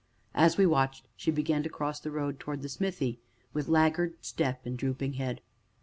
As we watched, she began to cross the road towards the smithy, with laggard step and drooping head.